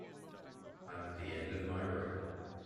I'm at the end of my rope.